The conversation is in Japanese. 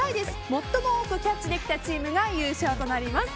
最も多くキャッチできたチームが優勝となります。